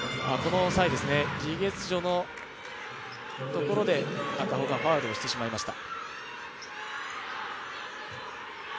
李月汝のところで赤穂がファウルをしてしまいました。